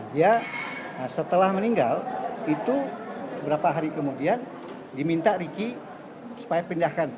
dia setelah meninggal itu beberapa hari kemudian diminta riki supaya pindahkan